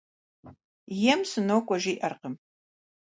Ем «сынокӀуэ» жиӀэркъым.